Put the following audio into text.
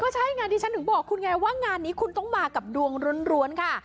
ใช่ไงดิฉันถึงบอกคุณไงว่างานนี้คุณต้องมากับดวงล้วนค่ะ